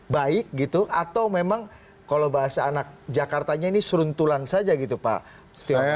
baik gitu atau memang kalau bahasa anak jakartanya ini seruntulan saja gitu pak